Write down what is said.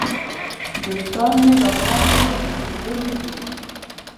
دوستان مې راباندې را ګرځېدلي وو.